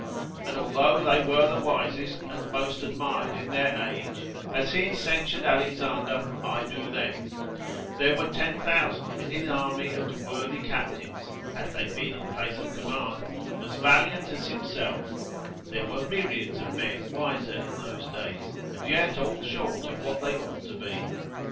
And although they were the wisest, and most admired in their age, as he censured Alexander, I do them, there were 10,000 in his army as worthy captains (had they been in place of command) as valiant as himself; there were myriads of men wiser in those days, and yet all short of what they ought to be.